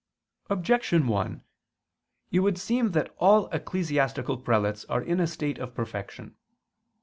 Objection 1: It would seem that all ecclesiastical prelates are in a state of perfection.